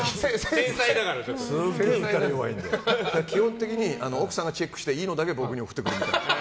基本的に奥さんがチェックしていいのだけ僕に送ってくる。